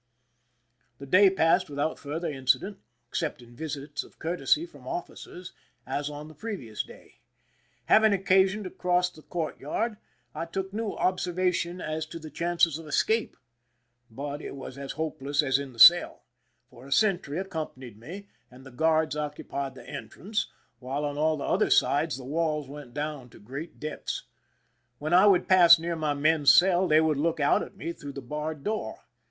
The day passed without further incident, except ing visits of courtesy from officers, as on the pre vious day. Having occasion to cross the courtyard, I took new observation as to the chances of escape ; but it was as hopeless as in the cell, for a sentry accompanied me and the guards occupied the en trance, while on all the other sides the walls went down to great depths. When I would pass near my men's cell, they would look out at me through the barred door.